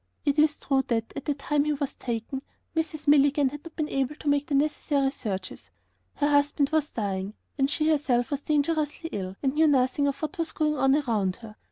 It is true that, at the time he was taken, Mrs. Milligan had not been able to make the necessary searches. Her husband was dying, and she herself was dangerously ill and knew nothing of what was going on around her.